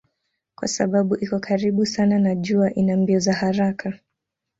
Kwa sababu iko karibu sana na jua ina mbio za haraka.